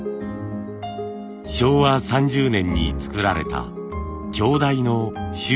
昭和３０年に作られた鏡台の修理です。